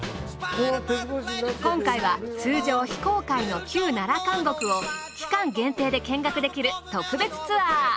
今回は通常非公開の旧奈良監獄を期間限定で見学できる特別ツアー。